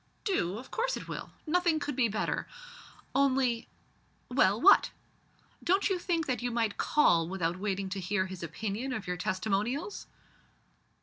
"Do? of course it will. Nothing could be better. Only " "Well, what?" "Don't you think that you might call without waiting to hear his opinion of your testimonials?"